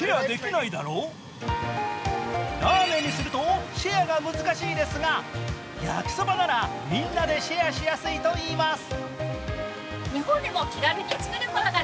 ラーメンにすると、シェアが難しいですが焼きそばならみんなでシェアしやすいといいます。